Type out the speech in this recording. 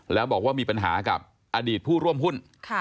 แล้วบอกว่ามีปัญหากับอดีตผู้ร่วมหุ้น